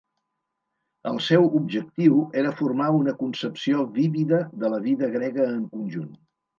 El seu objectiu era formar una concepció vívida de la vida grega en conjunt.